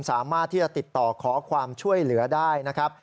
สามารถที่จะติดต่อขอความช่วยเหลือได้นะครับ